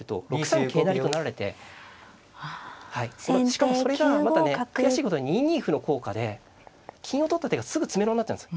しかもそれがまたね悔しいことに２二歩の効果で金を取った手がすぐ詰めろになっちゃうんです。